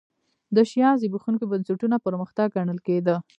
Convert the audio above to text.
د شیام زبېښونکي بنسټونه پرمختګ ګڼل کېده.